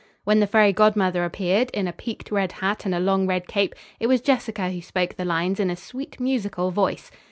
When the fairy godmother appeared, in a peaked red hat and a long red cape, it was Jessica who spoke the lines in a sweet, musical voice.